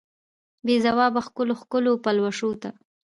بې ځوابه ښکلو، ښکلو پلوشو ته